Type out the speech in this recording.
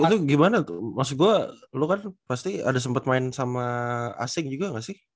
itu gimana maksud gua lu kan pasti ada sempet main sama asing juga gak sih